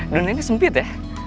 donennya sempit ya